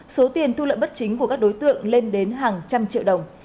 số tiền thu lợi bất chính của các đối tượng lên đến hàng trăm triệu đồng